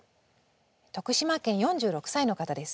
徳島県４６歳の方です。